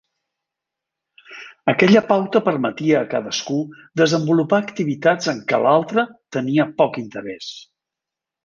Aquella pauta permetia a cadascú desenvolupar activitats en què l'altre tenia poc interès.